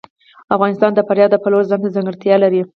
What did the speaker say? افغانستان د فاریاب د پلوه ځانته ځانګړتیا لري.